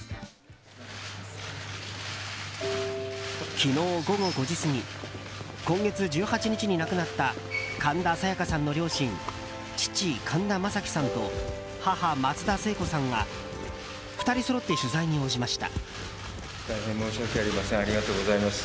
昨日午後５時すぎ今月１８日に亡くなった神田沙也加さんの両親父・神田正輝さんと母・松田聖子さんが２人そろって取材に応じました。